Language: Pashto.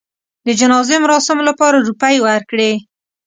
د جنازې مراسمو لپاره روپۍ ورکړې.